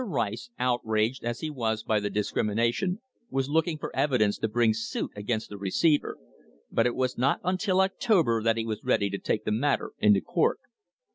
Rice, outraged as he was by the discrimination, was looking for evidence to bring suit against the receiver, but it was not until October that he was ready to take the matter into court.